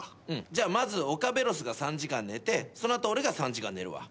じゃあまずオカベロスが３時間寝てその後俺が３時間寝るわ。